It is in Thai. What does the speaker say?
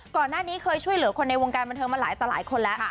ก่อนหน้านี้เคยช่วยเหลือคนในวงการบันเทิงมาหลายต่อหลายคนแล้ว